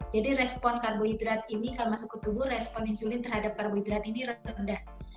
jadi respon karbohidrat ini kalau masuk ke tubuh respon insulin terhadap karbohidrat ini rendah